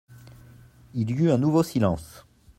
Il y eut un nouveau silence.